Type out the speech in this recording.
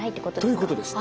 ということです。